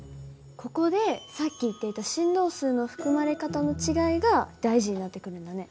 ここでさっき言っていた振動数の含まれ方の違いが大事になってくるんだね。